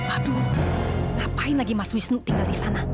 aduh ngapain lagi mas wisnu tinggal di sana